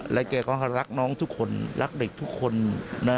แล้วแกก็รักน้องทุกคนรักเด็กทุกคนนะ